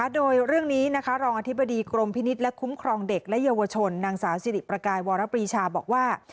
โดยเรื่องนี้รองอธิบดีกรมพินิษฐ์และคุ้มครองเด็กและเยาวชนนางสาวสิริประกายวรปรีชาบอกว่า